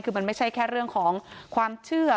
คือมันไม่ใช่แค่เรื่องของความเชื่อ